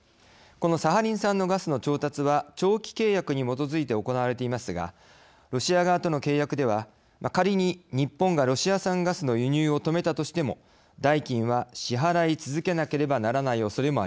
このサハリン産のガスの調達は長期契約に基づいて行われていますがロシア側との契約では仮に日本がロシア産ガスの輸入を止めたとしても代金は支払い続けなければならないおそれもあります。